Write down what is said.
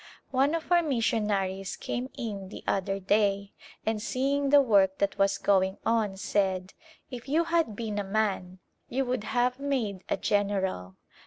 One of our missionaries came in the other day and seeing the work that was going on, said, " If you had been a man, you would have made a general."